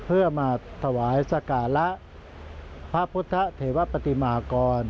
เพื่อมาถวายสการะพระพุทธเทวปฏิมากร